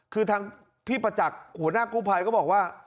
คือทางพี่ประจักษ์หัวหน้ากู้ภัยก็บอกว่า